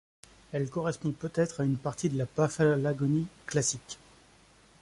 Elle correspond peut-être à une partie de la Paphlagonie classique.